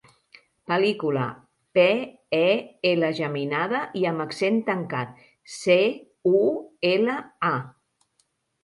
Pel·lícula: pe, e, ela geminada, i amb accent tancat, ce, u, ela, a.